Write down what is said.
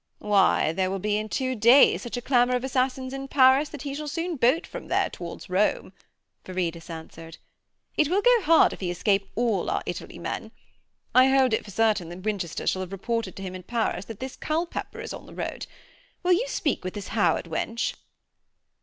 'Why, there will in two days be such a clamour of assassins in Paris that he shall soon bolt from there towards Rome,' Viridus answered. 'It will go hard if he escape all our Italy men. I hold it for certain that Winchester shall have reported to him in Paris that this Culpepper is on the road. Will you speak with this Howard wench?'